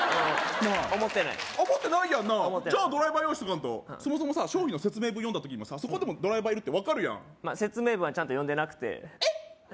思ってない思ってないやんなじゃあドライバー用意しとかんとそもそもさ商品の説明文読んだ時にもさそこでもドライバーいるって分かるやん説明文はちゃんと読んでなくてえっ？